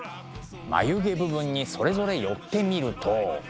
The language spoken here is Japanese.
眉毛部分にそれぞれ寄ってみると。